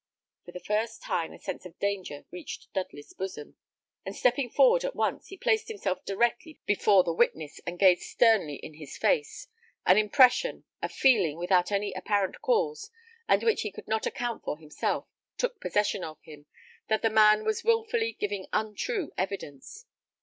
For the first time a sense of danger reached Dudley's bosom; and stepping forward at once, he placed himself directly before the witness, and gazed sternly in his face. An impression a feeling, without any apparent cause, and which he could not account for himself, took possession of him, that the man was wilfully giving untrue evidence.